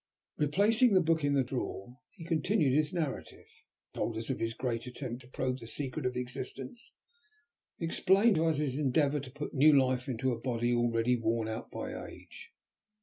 Replacing the book in the drawer he continued his narrative, told us of his great attempt to probe the secret of Existence, and explained to us his endeavour to put new life into a body already worn out by age.